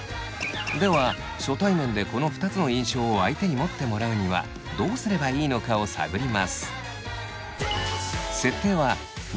では初対面でこの２つの印象を相手に持ってもらうにはどうすればいいのかを探ります。